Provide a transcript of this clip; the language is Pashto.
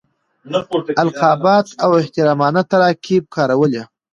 القابات او احترامانه تراکیب کارولي.